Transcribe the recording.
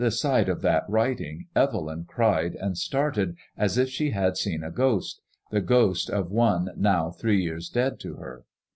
sight of that writing Evelyn cried and started as if she had seen a ghost — ^the ghost of one now three years dead to her.